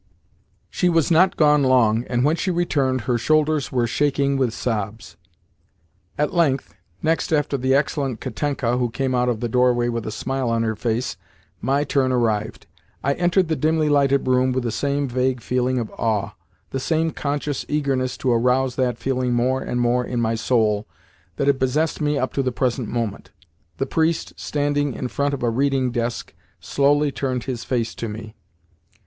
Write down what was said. She was not long gone, and when she returned her shoulders were shaking with sobs. At length next after the excellent Katenka (who came out of the doorway with a smile on her face) my turn arrived. I entered the dimly lighted room with the same vague feeling of awe, the same conscious eagerness to arouse that feeling more and more in my soul, that had possessed me up to the present moment. The priest, standing in front of a reading desk, slowly turned his face to me.